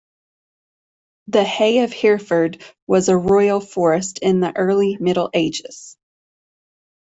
The Hay of Hereford was a Royal forest in the early Middle Ages.